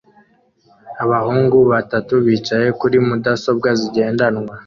Abahungu batatu bicaye kuri mudasobwa zigendanwa